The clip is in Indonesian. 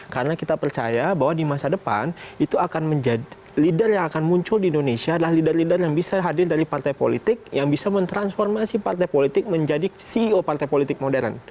karena kita percaya bahwa di masa depan itu akan menjadi leader yang akan muncul di indonesia adalah leader leader yang bisa hadir dari partai politik yang bisa mentransformasi partai politik menjadi ceo partai politik modern